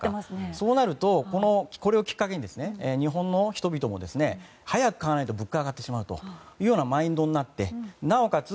そうなるとこれをきっかけに日本の人々も早く買わないと物価が上がってしまうというマインドになってなおかつ